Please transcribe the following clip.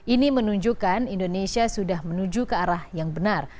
ini menunjukkan indonesia sudah menuju ke arah yang benar